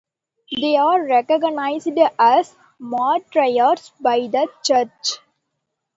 They are recognized as martyrs by the Church.